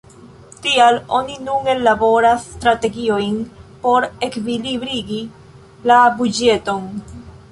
Tial oni nun ellaboras strategiojn por ekvilibrigi la buĝeton.